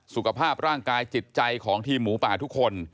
สุขภาพร่างกายจิตใจของทีมหมูป่าทุกคน